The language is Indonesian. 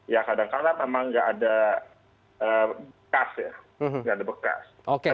ya kadang kadang memang tidak ada bekas